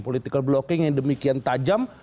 political blocking yang demikian tajam